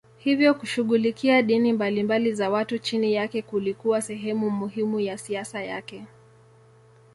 Hivyo kushughulikia dini mbalimbali za watu chini yake kulikuwa sehemu muhimu ya siasa yake.